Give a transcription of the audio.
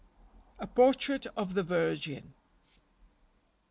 A PORTRAIT OF THE VIRGIN.